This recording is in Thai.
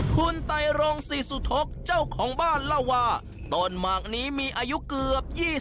คุณไตรรงศรีสุทกเจ้าของบ้านเล่าว่าต้นหมากนี้มีอายุเกือบ๒๐